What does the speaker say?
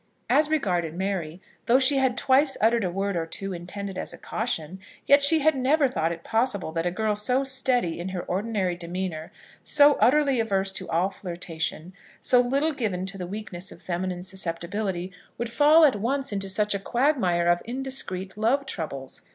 As regarded Mary, though she had twice uttered a word or two, intended as a caution, yet she had never thought it possible that a girl so steady in her ordinary demeanour, so utterly averse to all flirtation, so little given to the weakness of feminine susceptibility, would fall at once into such a quagmire of indiscreet love troubles.